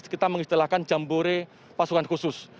kita mengistilahkan jambore pasukan khusus